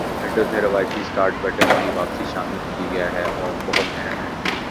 Windows میں روایتی start button کو واپس شامل کیا گیا ہے وہ بہت أہم ہیں